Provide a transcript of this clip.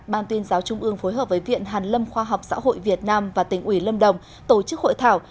ban tuyên giáo trung ương phối hợp với viện hàn lâm khoa học xã hội việt nam và tỉnh ủy lâm đồng tổ chức hội thảo